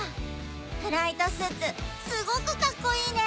フライトスーツすごくかっこいいね。